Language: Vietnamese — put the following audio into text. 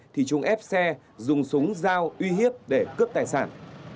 khép xe dùng súng giao uy hiếp để cướp tài sản